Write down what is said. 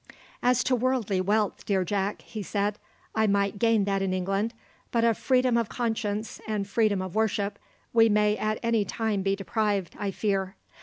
"As to worldly wealth, dear Jack," he said, "I might gain that in England, but of freedom of conscience and freedom of worship, we may at any time be deprived, I fear.